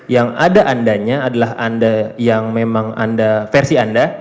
yang ada andanya adalah anda yang memang anda versi anda